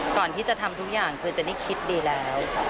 ก่อนที่จะทำทุกอย่างคือเจนนี่คิดดีแล้ว